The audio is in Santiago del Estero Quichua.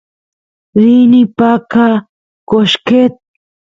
rini paqa qoshqet